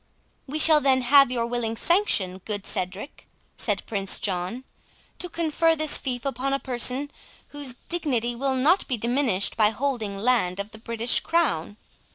"We shall then have your willing sanction, good Cedric," said Prince John, "to confer this fief upon a person whose dignity will not be diminished by holding land of the British crown.